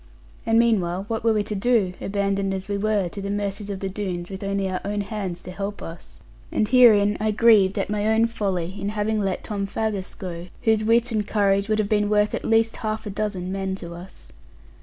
And meanwhile, what were we to do, abandoned as we were to the mercies of the Doones, with only our own hands to help us? And herein I grieved at my own folly, in having let Tom Faggus go, whose wit and courage would have been worth at least half a dozen men to us.